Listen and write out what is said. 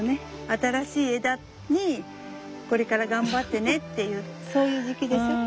新しい枝にこれから頑張ってねっていうそういう時期でしょう？